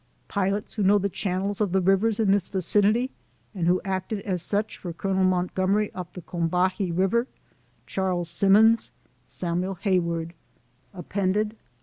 71 Pilots who know the channels of the rivers in this vicinity, and who acted as such for Col. Mont gomery up the Cornbahee River : Charles Simmons, Samuel Hay ward. App'd, R. SAXTON, Brig. Gen.